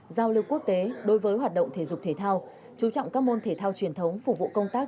giao lưu quốc tế đối với hoạt động thể dục thể thao chú trọng các môn thể thao truyền thống phục vụ công tác